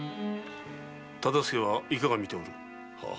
忠相はいかが見ておる？